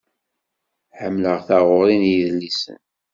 Ḥemmleɣ taɣuri n yedlisen.